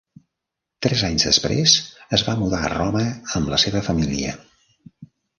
Tres anys després, es va mudar a Roma amb la seva família.